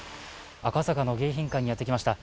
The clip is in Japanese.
赤坂の迎賓館にやってきました。